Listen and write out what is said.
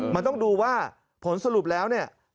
มันต้องดูว่าผลสรุปแล้วเนี่ย